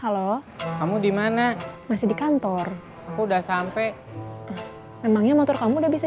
kalau kamu dimana masih di kantor aku udah sampai memangnya motor kamu udah bisa